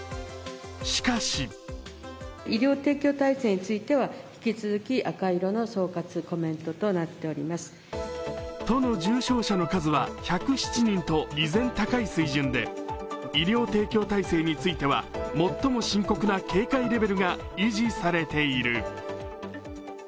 しかし都の重症者の数は１０７人と依然高い水準で医療提供体制については、最も深刻な警戒レベルが維持されている。